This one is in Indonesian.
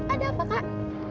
ada apa kak